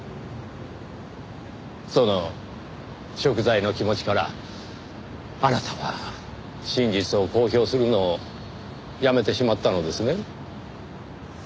その贖罪の気持ちからあなたは真実を公表するのをやめてしまったのですね？